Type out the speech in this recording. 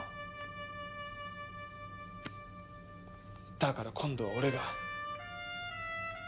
だから今度は俺が。